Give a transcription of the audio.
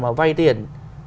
mà vay tiền